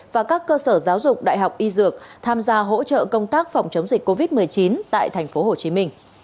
và các cơ sở giáo dục đại học y dược tham gia hỗ trợ công tác phòng chống dịch covid một mươi chín tại tp hcm